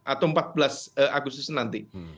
atau empat belas agustus nanti